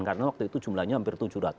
karena waktu itu jumlahnya hampir tujuh ratus